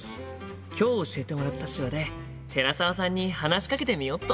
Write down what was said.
今日教えてもらった手話で寺澤さんに話しかけてみよっと！